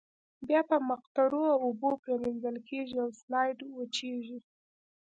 بیا په مقطرو اوبو پریمنځل کیږي او سلایډ وچیږي.